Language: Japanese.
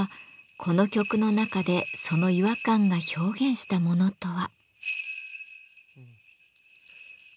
この曲の中でその違和感が表現したものとは。